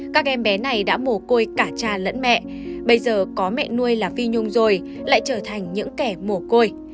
các em bé này đã mồ côi cả cha lẫn mẹ bây giờ có mẹ nuôi là phi nhung rồi lại trở thành những kẻ mồ côi